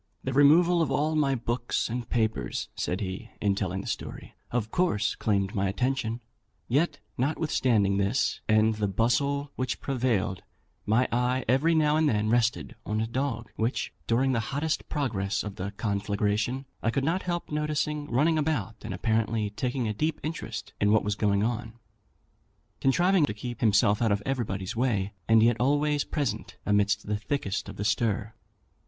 "The removal of my books and papers," said he, in telling the story, "of course claimed my attention; yet, notwithstanding this, and the bustle which prevailed, my eye every now and then rested on a dog, which, during the hottest progress of the conflagration, I could not help noticing running about, and apparently taking a deep interest in what was going on; contriving to keep himself out of everybody's way, and yet always present amidst the thickest of the stir.